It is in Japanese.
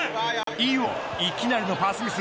いきなりのパスミス。